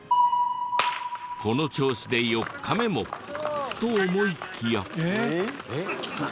この調子で４日目も！と思いきや。